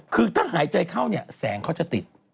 คือถ้าหายใจเข้าเนี่ยแสงเขาจะติด